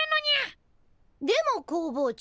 でも工房長。